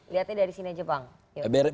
lihatnya dari sini aja bang